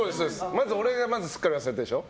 まず俺がすっかり忘れてるでしょ